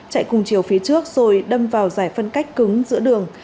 chạy cùng chiều phía trước rồi đâm vào giải phân cách cứng giữa đường